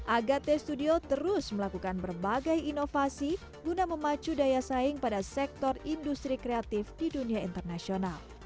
agate studio terus melakukan berbagai inovasi guna memacu daya saing pada sektor industri kreatif di dunia internasional